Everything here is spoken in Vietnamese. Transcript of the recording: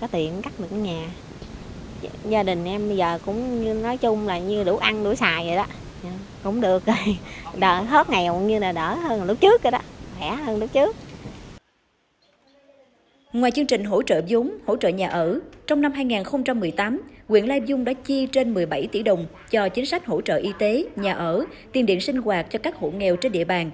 trong năm hai nghìn một mươi tám quyện lai dung đã chi trên một mươi bảy tỷ đồng cho chính sách hỗ trợ y tế nhà ở tiền điện sinh hoạt cho các hộ nghèo trên địa bàn